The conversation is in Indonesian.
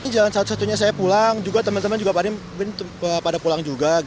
jalan satu satunya saya pulang juga teman teman juga pada pulang juga